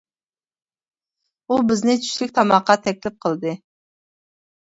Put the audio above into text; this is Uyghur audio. ئۇ بىزنى چۈشلۈك تاماققا تەكلىپ قىلدى.